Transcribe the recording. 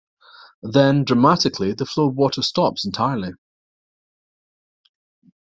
Then, dramatically, the flow of water stops entirely.